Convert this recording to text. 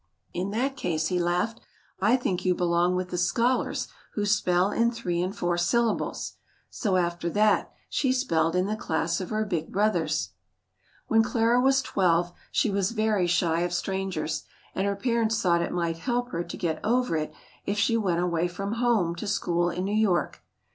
"In that case," he laughed, "I think you belong with the scholars who spell in three and four syllables." So after that, she spelled in the class of her big brothers. When Clara was twelve, she was very shy of strangers, and her parents thought it might help her to get over it if she went away from home to school in New York.